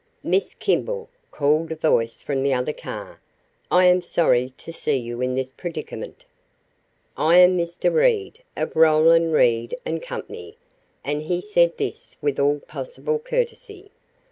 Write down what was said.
"Miss Kimball," called a voice from the other car. "I am sorry to see you in this predicament. I am Mr. Reed, of Roland, Reed & Company," and he said this with all possible courtesy.